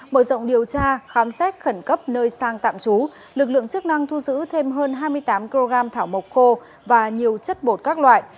mở rộng điều tra khám xét khẩn cấp nơi sang tạm trú lực lượng chức năng thu giữ thêm hơn hai mươi tám kg thảo mộc khô và nhiều chất bột các loại